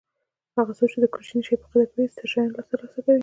هغه څوک چې د کوچني شي په قدر پوهېږي ستر شیان ترلاسه کوي.